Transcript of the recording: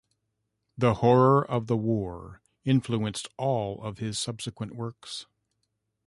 The horror of the war influenced all of his subsequent works.